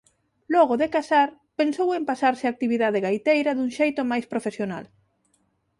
Logo de casar pensou en pasarse a actividade gaiteira dun xeito máis profesional.